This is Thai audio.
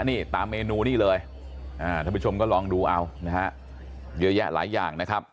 นี่ตามเมนูนี่เลยท่านผู้ชมก็ลองดูเอานะฮะเยอะแยะหลายอย่างนะครับ